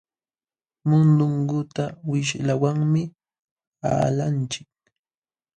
Mundunguta wishlawanmi qalanchik.